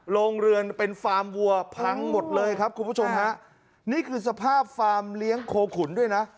โรงเรือนเป็นฟาร์มวัวพังหมดเลยครับคุณผู้ชมฮะนี่คือสภาพฟาร์มเลี้ยงโคขุนด้วยนะ